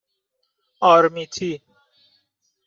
آرمیتی